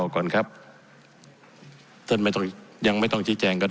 ผมจะขออนุญาตให้ท่านอาจารย์วิทยุซึ่งรู้เรื่องกฎหมายดีเป็นผู้ชี้แจงนะครับ